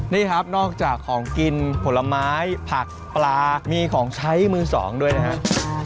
นี่ครับนอกจากของกินผลไม้ผักปลามีของใช้มือสองด้วยนะครับ